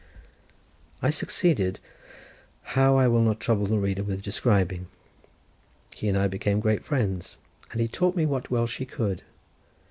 I succeeded; how I will not trouble the reader with describing: he and I became great friends, and he taught me what Welsh he could.